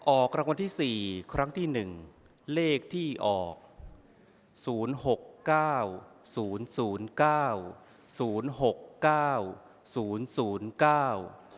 ออกรางวัลที่สี่ครั้งที่หนึ่งเลขที่ออกศูนย์หกเก้าศูนย์ศูนย์เก้าศูนย์หกเก้าศูนย์ศูนย์เก้า